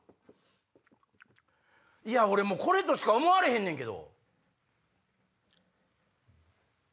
いや俺もうこれとしか思われへんねんけど。